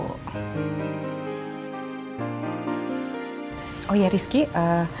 ya udah kalo gitu sekarang mendingan kalian pulang dulu ya